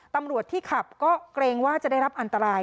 ตำรวจที่ขับก็เกรงว่าจะได้รับอันตราย